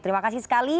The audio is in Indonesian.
terima kasih sekali